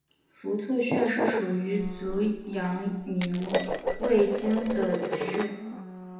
伏兔穴是属于足阳明胃经的腧穴。